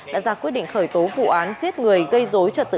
đã ra quyết định khởi tố vụ án giết người gây dối trật tự